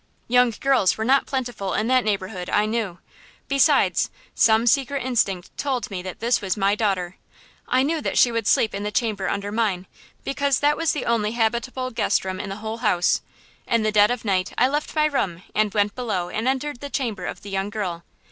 Young girls were not plentiful in that neighborhood, I knew. Besides, some secret instinct told me that this was my daughter: I knew that she would sleep in the chamber under mine, because that was the only habitable guest room in the whole house. In the dead of night I left my room and went below and entered the chamber of the young girl.